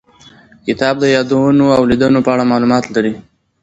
کتاب د یادونو او لیدنو په اړه معلومات لري.